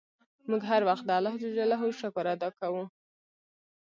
موږ هر وخت د اللهﷻ شکر ادا کوو.